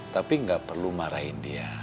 tapi nggak perlu marahin dia